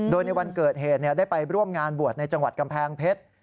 โดยในวันเกิดเหตุได้ไปร่วมงานบวชในจังหวัดกำแพงเพชร